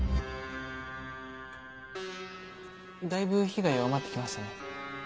だいぶ火が弱まって来ましたね。